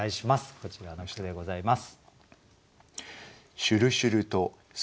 こちらの句でございます。